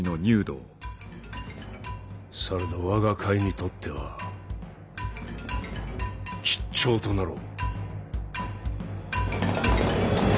されど我が甲斐にとっては吉兆となろう。